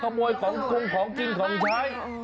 ขโมยของของหรือคนกินของชาย